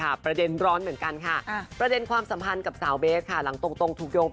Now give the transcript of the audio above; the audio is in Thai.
โอ้โฮพี่หนูผ่านละผ่านมาละนะคะจริงนะคะแล้วก็จะมีผลงานใหม่๓คนด้วยนะคะ